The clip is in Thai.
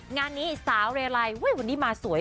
งานนี้สาวเรลัยวันนี้มาสวย